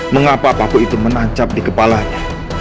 mengapa paku itu menancap di kepalanya